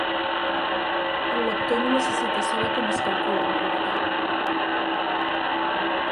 El lector no necessita saber com es calcula en realitat.